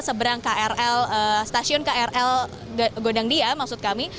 seberang krl stasiun krl gondangdia maksud kami